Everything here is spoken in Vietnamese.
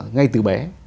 ngay từ bé